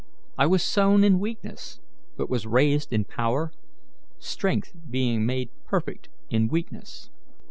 I was sown in weakness, but was raised in power, strength being made perfect in weakness.